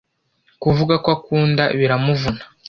Kuvuga ko akunda biramuvuna